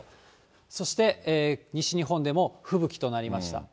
そして西日本でも吹雪となりました。